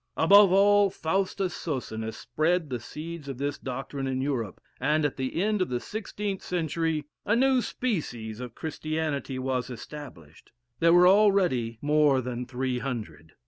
Above all, Faustus Socinus spread the seeds of this doctrine in Europe; and at the end of the sixteenth century, a new species of Christianity was established. There were already more than three hundred.